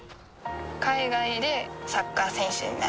海外でサッカー選手になる